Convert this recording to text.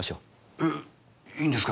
えいいんですか？